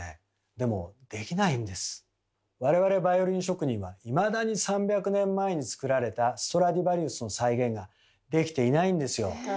でも我々バイオリン職人はいまだに３００年前に作られたストラディヴァリウスの再現ができていないんですよ。